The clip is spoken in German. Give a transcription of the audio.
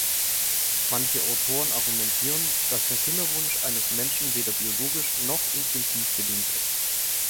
Manche Autoren argumentieren, dass der Kinderwunsch eines Menschen weder biologisch noch instinktiv bedingt ist.